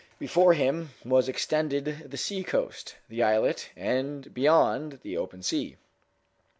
Before him was extended the sea coast, the islet, and beyond the open sea.